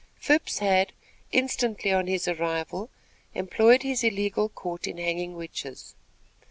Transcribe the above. Phipps had, instantly on his arrival, employed his illegal court in hanging the witches.